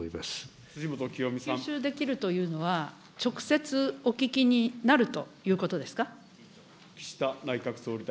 吸収できるというのは、直接お聞きになるということですか。